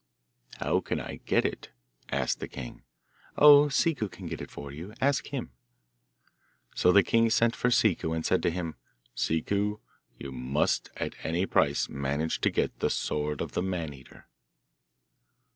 'How can I get it?' asked the king. 'Oh, Ciccu can get it for you; ask him.' So the king sent for Ciccu and said to him, 'Ciccu, you must at any price manage to get the sword of the Man eater.